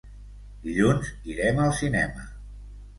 Dilluns irem al cinema.